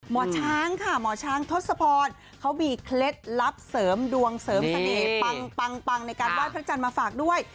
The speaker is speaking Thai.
หมอช้างค่ะหมอช้างทศพรเขามีเคล็ดลับเสริมดวงเสริมเสน่ห์ปังในการไหว้พระจันทร์มาฝากด้วย